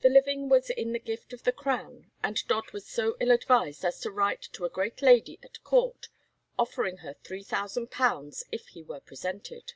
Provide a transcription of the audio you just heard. The living was in the gift of the Crown, and Dodd was so ill advised as to write to a great lady at Court, offering her £3000 if he were presented.